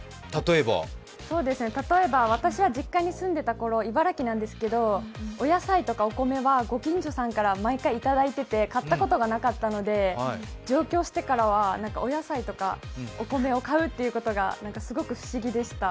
例えば私は実家に住んでたころ、茨城なんですけど、お野菜とかお米はご近所さんから毎回いただいていて買ったことがなかったので、上京してからはお野菜とかお米を買うことが、すごく不思議でした。